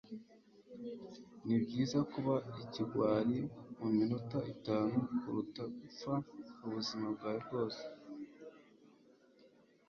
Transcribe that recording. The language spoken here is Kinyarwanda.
Nibyiza kuba ikigwari muminota itanu kuruta gupfa ubuzima bwawe bwose